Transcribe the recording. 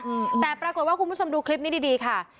อืมแต่ปรากฏว่าคุณผู้ชมดูคลิปนี้ดีดีค่ะ